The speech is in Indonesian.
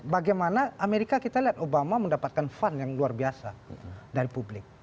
bagaimana amerika kita lihat obama mendapatkan fund yang luar biasa dari publik